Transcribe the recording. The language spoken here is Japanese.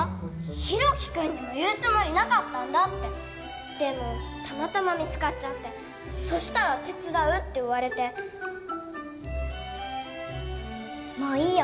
大樹君にも言うつもりなかったんだってでもたまたま見つかっちゃってそしたら手伝うって言われてもういいよ